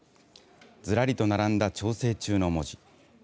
ずらりと並んだ調整中の文字。